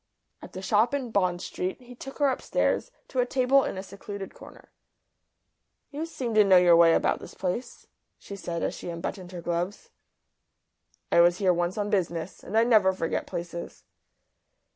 At the shop in Bond Street he took her upstairs to a table in a secluded corner. "You seem to know your way about this place," she said, as she unbuttoned her gloves. "I was here once on business. And I never forget places."